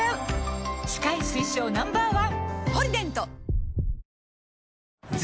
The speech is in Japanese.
歯科医推奨 Ｎｏ．１！